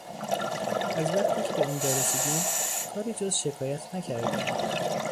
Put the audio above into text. از وقتی که به اینجا رسیدیم کاری جز شکایت نکردهای.